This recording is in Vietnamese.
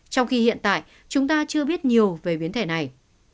trong khi hiện tại chúng ta chưa biết nhiều về biến thể này